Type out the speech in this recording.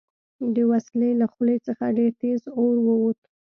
د وسلې له خولې څخه ډېر تېز اور ووت